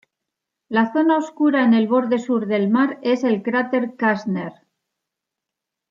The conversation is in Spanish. La zona oscura en el borde sur del mar es el cráter Kästner.